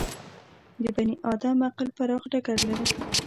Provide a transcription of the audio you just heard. د بني ادم عقل پراخ ډګر لري.